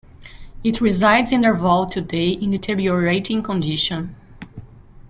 It resides in their vault today in deteriorating condition.